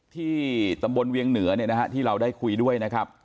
ที่ตำบลเวียงเหนือที่เราได้คุยด้วยนะครับ